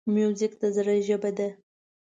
موزیک د زړه ژبه ده.